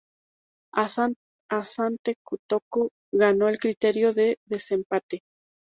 Asante Kotoko ganó el criterio de desempate.